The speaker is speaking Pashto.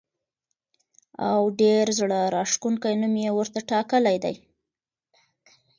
او ډېر زړه راښکونکی نوم یې ورته ټاکلی دی.